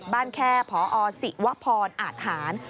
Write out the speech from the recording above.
บ้านแค่พอสิวพรอาจหาร